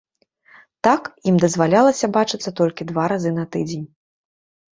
Так, ім дазвалялася бачыцца толькі два разы на тыдзень.